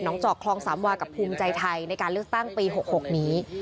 จอกคลองสามวากับภูมิใจไทยในการเลือกตั้งปี๖๖นี้